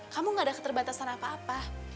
kamu gak ada keterbatasan apa apa